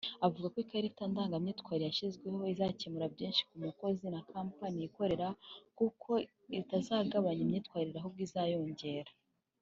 avuga ko ikarita ndangamyitwarire yashyizweho izakemura byinshi ku mukozi na kampani y ikorera kuko itazagabanya imyitwarire ahubwo izayongera